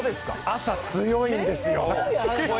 朝、強いんですよ。